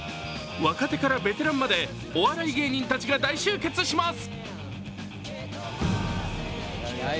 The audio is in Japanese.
若手からベテランまでお笑い芸人たちが大集結します。